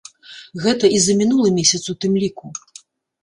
Гэта і за мінулы месяц у тым ліку.